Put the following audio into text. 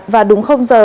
và đúng không giờ